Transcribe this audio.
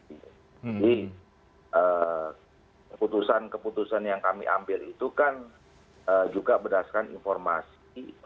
jadi keputusan keputusan yang kami ambil itu kan juga berdasarkan informasi